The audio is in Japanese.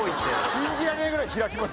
信じられないぐらい開きます